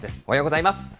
おはようございます。